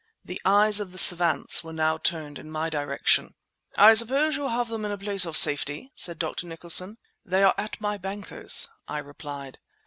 The eyes of the savants were turned now in my direction. "I suppose you have them in a place of safety?" said Dr. Nicholson. "They are at my bankers," I replied.